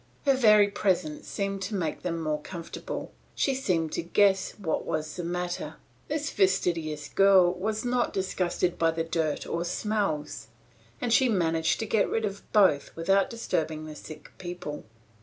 Her very presence seemed to make them more comfortable; she seemed to guess what was the matter. This fastidious girl was not disgusted by the dirt or smells, and she managed to get rid of both without disturbing the sick people.